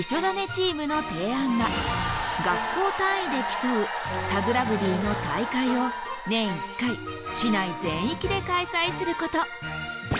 チームの提案は学校単位で競うタグラグビーの大会を年１回市内全域で開催すること。